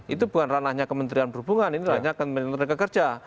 itu bukan ranahnya kementerian perhubungan ini ranahnya kementerian tenaga kerja